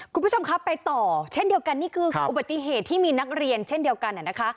คุณผู้ชมครับไปต่อเช่นเดียวกันนี่คืออุบัติเหตุที่มีนักเรียนเช่นเดียวกันนะคะ